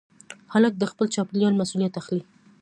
هلک د خپل چاپېریال مسؤلیت اخلي.